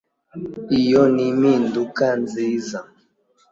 iyo ni impinduka nziza.